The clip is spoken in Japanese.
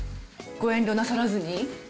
ご遠慮なさらずに。